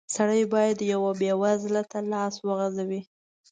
سړی بايد يوه بېوزله ته لاس وغزوي.